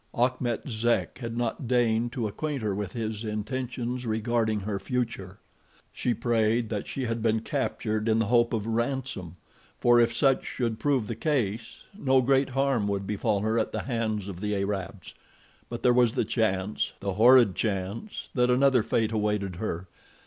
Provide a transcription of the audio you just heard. Achmet Zek had not deigned to acquaint her with his intentions regarding her future. She prayed that she had been captured in the hope of ransom, for if such should prove the case, no great harm would befall her at the hands of the Arabs; but there was the chance, the horrid chance, that another fate awaited her.